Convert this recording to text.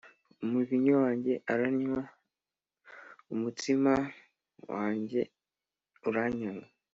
umuvinyu wanjye uranywa, umutsima wanjye uranyaga.